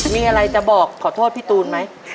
มีอะไรจะบอกขอโทษพี่ตูนไหม